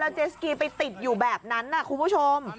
เจสกีไปติดอยู่แบบนั้นนะคุณผู้ชม